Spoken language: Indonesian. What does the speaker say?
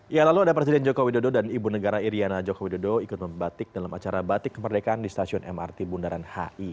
ya lalu ada presiden joko widodo dan ibu negara iryana joko widodo ikut membatik dalam acara batik kemerdekaan di stasiun mrt bundaran hi